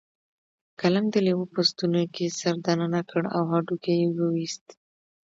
کلنګ د لیوه په ستوني کې سر دننه کړ او هډوکی یې وویست.